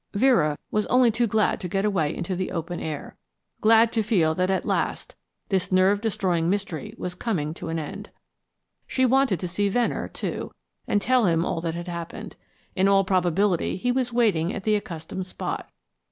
Vera was only too glad to get away into the open air, glad to feel that at last this nerve destroying mystery was coming to an end. She wanted to see Venner, too, and tell him all that had happened. In all probability he was waiting at the accustomed spot.